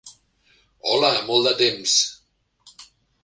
Hola, molt de temps!